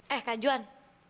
eh kak juan